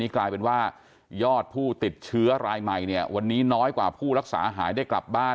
กลายเป็นว่ายอดผู้ติดเชื้อรายใหม่เนี่ยวันนี้น้อยกว่าผู้รักษาหายได้กลับบ้าน